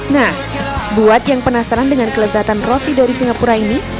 nah buat yang penasaran dengan kelezatan roti dari singapura ini